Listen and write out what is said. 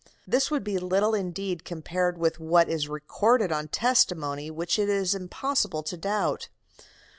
This would be little indeed compared with what is recorded on testimony which it is impossible to doubt.